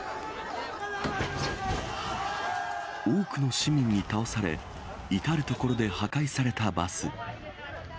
多くの市民に倒され、至る所で破壊されたバス。